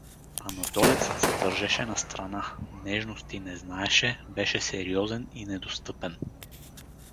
Анадолецът се държеше настрана, нежности не знаеше, беше сериозен и недостъпен.